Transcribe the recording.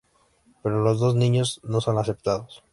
Pero los dos niños no son aceptados.